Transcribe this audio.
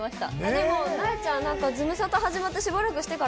でも、なえちゃん、ズムサタ始まってから、しばらくえ？